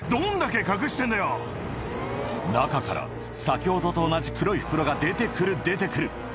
中から先ほどと同じ黒い袋が出て来る出て来る